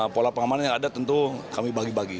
pola pengamanan yang ada tentu kami bagi bagi